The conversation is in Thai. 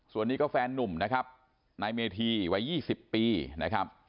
ส่วนนี้ก็แฟนนุ่มนะครับนายเมธีวัย๒๐ปีนะครับ